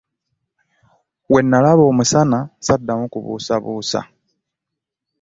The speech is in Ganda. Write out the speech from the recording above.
We nnalaba omusana ssaddayo kubuusabuusa.